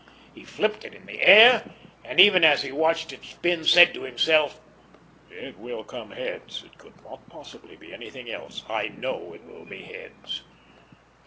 He flipped it in the air, and even as he watched it spin, said to himself, "It will come heads. It could not possibly be anything else. I know it will be heads."